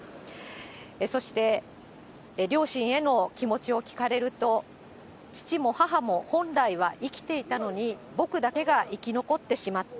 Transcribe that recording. そして両親への気持ちを聞かれると、父も母も本来は生きていたのに、僕だけが生き残ってしまった。